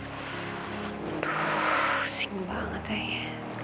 singel banget ya